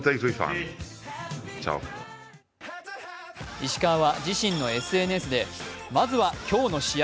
石川は自身のＳＮＳでまずは今日の試合！